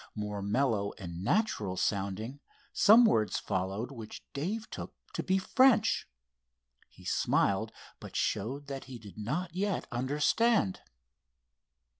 More mellow and natural sounding, some words followed which Dave took to be French. He smiled, but showed that he did not yet understand.